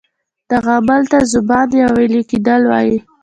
دغه عمل ته ذوبان یا ویلي کیدل وایي.